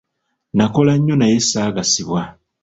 Nakola nnyo naye saagasibwa.